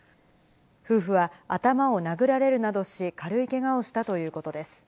夫婦は、頭を殴られるなどし、軽いけがをしたということです。